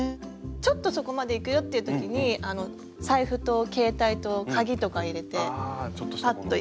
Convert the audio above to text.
ちょっとそこまで行くよっていうときに財布と携帯と鍵とか入れてパッと行って。